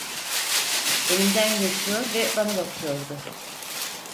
Önümden geçiyor ve bana bakıyordu.